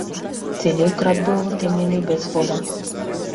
Целиот град бил во темнина и без вода.